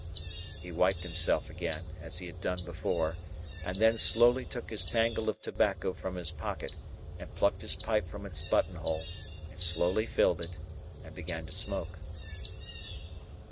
He wiped himself again, as he had done before, and then slowly took his tangle of tobacco from his pocket, and plucked his pipe from his button hole, and slowly filled it, and began to smoke.